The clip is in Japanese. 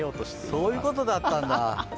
そういうことだったんだ。